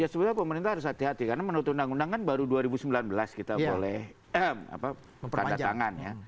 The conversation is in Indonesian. ya sebenarnya pemerintah harus hati hati karena menurut undang undang kan baru dua ribu sembilan belas kita boleh tanda tangan ya